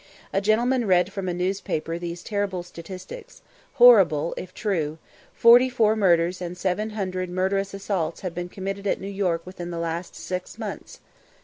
A gentleman read from a newspaper these terrible statistics, "horrible if true," "Forty four murders and seven hundred murderous assaults have been committed at New York within the last six months."